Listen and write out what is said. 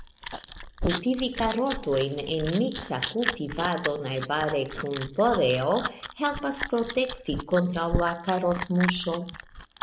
Kultivi karotojn en miksa kultivado najbare kun poreo helpas protekti kontraŭ la karotmuŝo.